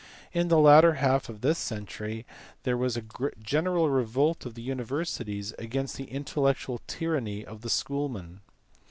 In the latter half of this century there was a general revolt of the universities against the intellectual tyranny of the school men.